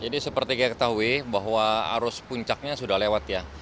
jadi seperti yang kita ketahui bahwa arus puncaknya sudah lewat ya